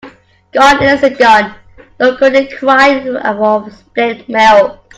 Gone is gone. No good in crying over spilt milk.